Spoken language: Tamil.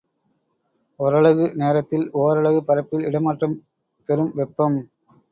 ஒரலகு நேரத்தில் ஓரலகு பரப்பில் இடமாற்றம் பெறும் வெப்பம்.